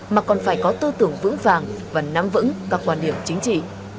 mà còn phải có tư tưởng vững vàng và nắm vững các quan điểm chính trị